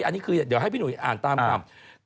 อันนี้คือเดี๋ยวให้พี่หุยอ่านตามคำ